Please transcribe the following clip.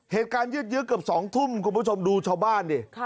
เหตุการณ์ยืดยืดเกือบ๒ทุ่มคุณผู้ชมดูชาวบ้านดิ